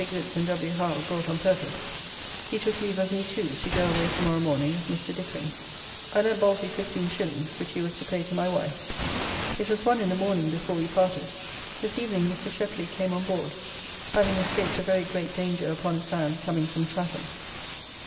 Goods and W. Howe brought on purpose, he took leave of me too to go away to morrow morning with Mr. Dickering. I lent Balty 15s. which he was to pay to my wife. It was one in the morning before we parted. This evening Mr. Sheply came on board, having escaped a very great danger upon a sand coming from Chatham.